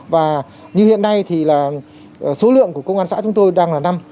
và như hiện nay thì là số lượng của công an xã chúng tôi đang là năm